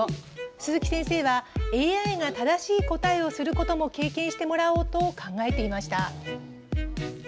鈴木先生はＡＩが正しい答えをすることも経験してもらおうと考えていました。